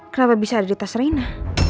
kenapa bisa ada di tas rina